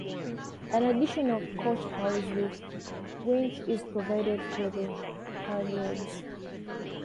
An additional coach house roof winch is provided for the halyards.